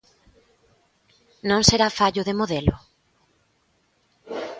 ¿Non será fallo de modelo?